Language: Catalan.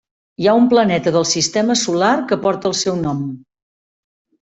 Hi ha un planeta del sistema solar que porta el seu nom.